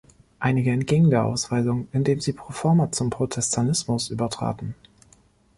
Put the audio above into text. Einige entgingen der Ausweisung, indem sie pro forma zum Protestantismus übertraten.